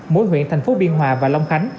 mỗi huyện thành phố biên hòa và long khánh